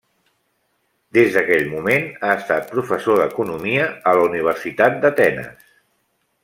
Des d'aquell moment, ha estat professor d'Economia a la Universitat d'Atenes.